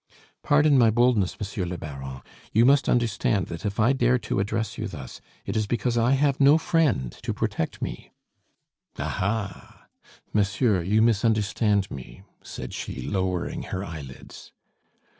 "Pardon my boldness, Monsieur le Baron; you must understand that if I dare to address you thus, it is because I have no friend to protect me " "Ah, ha!" "Monsieur, you misunderstand me," said she, lowering her eyelids.